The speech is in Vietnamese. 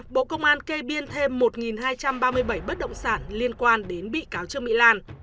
bộ công an kê biên thêm một hai trăm ba mươi bảy bất động sản liên quan đến bị cáo trương mỹ lan